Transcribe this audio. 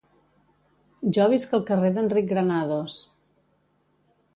Jo visc al carrer d'Enric Granados